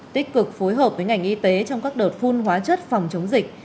tích cực phối hợp với ngành y tế trong các đợt phun hóa chất phòng chống dịch